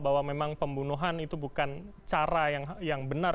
bahwa memang pembunuhan itu bukan cara yang benar